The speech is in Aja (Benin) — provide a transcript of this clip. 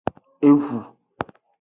Evu.